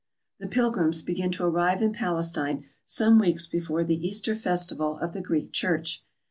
The pilgrims begin to arrive in Palestine some weeks be fore the Easter festival of the Greek Church.